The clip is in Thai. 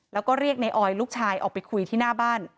แล้วก็เรียกในออยลูกชายออกไปคุยที่หน้าบ้าน